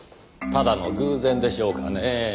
ただの偶然でしょうかねぇ。